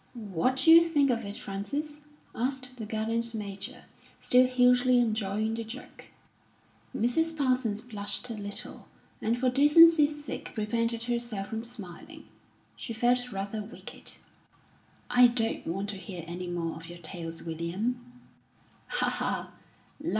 "What d'you think of it, Frances?" asked the gallant Major, still hugely enjoying the joke. Mrs. Parsons blushed a little, and for decency's sake prevented herself from smiling; she felt rather wicked. "I don't want to hear any more of your tales, William." "Ha, ha!"